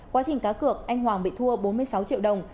quá trình cá cược anh hoàng bị thua bốn mươi sáu triệu đồng